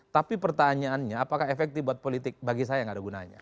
tapi pertanyaannya apakah efektif buat politik bagi saya nggak ada gunanya